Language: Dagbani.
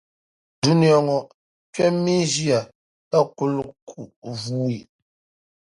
Dunia ŋɔ kpɛmmi ʒiɛya, ka kul ku vuui.